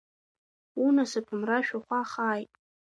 Унасыԥ мра шәахәа-хааит.